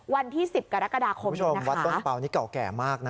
วันที่๑๐กรกฎาคมคุณผู้ชมวัดต้นเปล่านี่เก่าแก่มากนะ